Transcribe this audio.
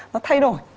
nó thay đổi